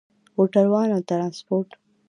موټروان او ترانسپورت